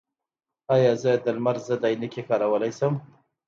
ایا زه د لمر ضد عینکې کارولی شم؟